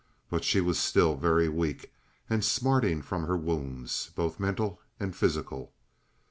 But she was still very weak and smarting from her wounds, both mental and physical.